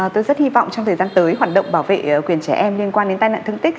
tôi rất hy vọng trong thời gian tới hoạt động bảo vệ quyền trẻ em liên quan đến tai nạn thương tích